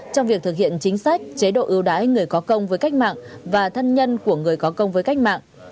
trong việc thực hiện chính sách chế độ ưu đãi người có công với cách mạng và thân nhân của người có công với cách mạng